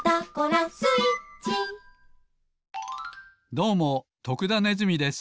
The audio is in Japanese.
どうも徳田ネズミです。